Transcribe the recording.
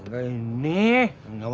kemudian sebelumnya kita tahu sebenarnya